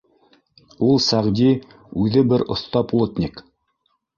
Ул Сәғди үҙе бер оҫта плотник.